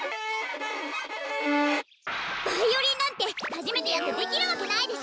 バイオリンなんてはじめてやってできるわけないでしょ！